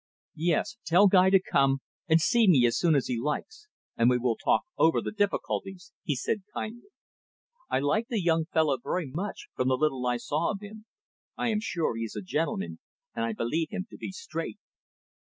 "Yes, tell Guy to come and see me as soon as he likes, and we will talk over the difficulties," he said kindly. "I liked the young fellow very much, from the little I saw of him. I am sure he is a gentleman, and I believe him to be straight."